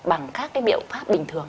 bằng các biểu pháp bình thường